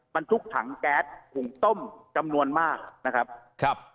มันทุกถังแก๊สขุงต้มจำนวนมากนะครับ